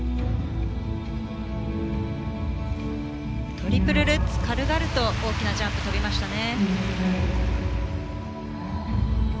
トリプルルッツ軽々と大きなジャンプ跳びましたね。